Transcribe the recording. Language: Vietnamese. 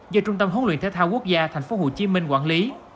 do trung tâm hỗn luyện thế thao quốc gia tp hcm quản lý